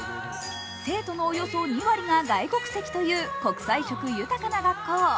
生徒のおよそ２割が外国籍という国際色豊かな学校。